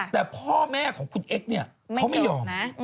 แต่พ่อแม่ของคุณเอ็กซ์เนี่ยเขาไม่ยอม